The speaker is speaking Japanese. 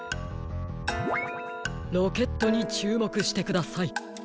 ロケットにちゅうもくしてください。